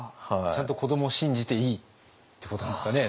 ちゃんと子どもを信じていいってことなんですかね。